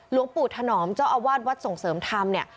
หลวงปู่ถนอมเจ้าอาวาสวัดส่งเสริมธรรมเนี่ย